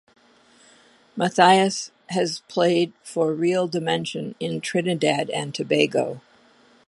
Matthias has played for Real Dimension in Trinidad and Tobago.